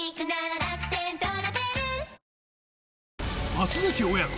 松崎親子